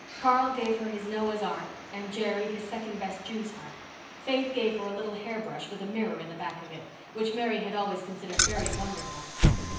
Carl gave her his Noah's ark and Jerry his second best jew's harp. Faith gave her a little hairbrush with a mirror in the back of it, which Mary had always considered very wonderful.